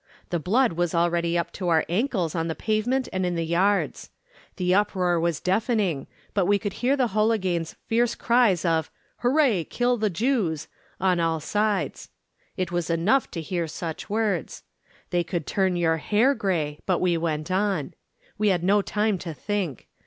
The blood was already up to our ankles on the pavement and in the yards. The uproar was deafening but we could hear the Holiganes' fierce cries of "Hooray, kill the Jews," on all sides. It was enough to hear such words. They could turn your hair grey, but we went on. We had no time to think.